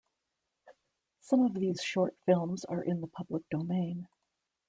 Some of these short films are in the public domain.